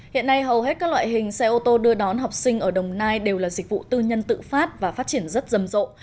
hiện nay hầu hết các loại hình xe ô tô đưa đón học sinh ở đồng nai đều là dịch vụ tư nhân tự phát và phát triển rất rầm rộ